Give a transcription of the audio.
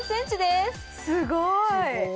すごーい